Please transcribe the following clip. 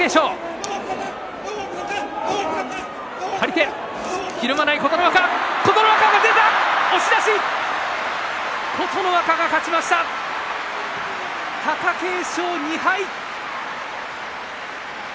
拍手貴景勝、２敗。